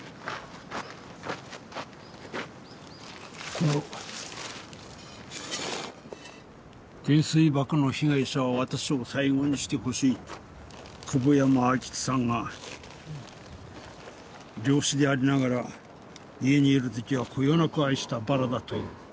この「原水爆の被害者は私を最後にしてほしい」と久保山愛吉さんが漁師でありながら家にいる時はこよなく愛したバラだという。